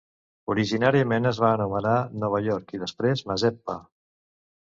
Originàriament es va anomenar Nova York i després Mazeppa.